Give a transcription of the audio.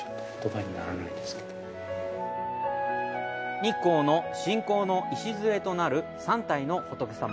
日光の信仰の礎となる三体の仏様。